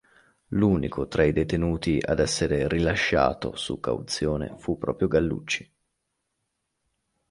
L'unico tra i detenuti ad essere rilasciato su cauzione fu proprio Gallucci.